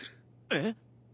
えっ？